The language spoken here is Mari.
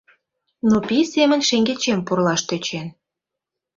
Но пий семын шеҥгечем пурлаш тӧчен.